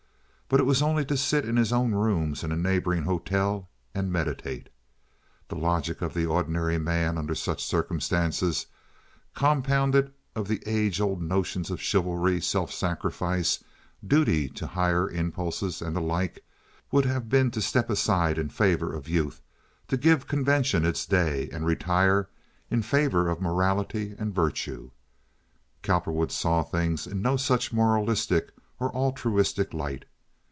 But it was only to sit in his own rooms in a neighboring hotel and meditate. The logic of the ordinary man under such circumstances, compounded of the age old notions of chivalry, self sacrifice, duty to higher impulses, and the like, would have been to step aside in favor of youth, to give convention its day, and retire in favor of morality and virtue. Cowperwood saw things in no such moralistic or altruistic light.